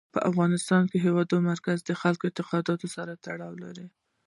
په افغانستان کې د هېواد مرکز د خلکو د اعتقاداتو سره تړاو لري.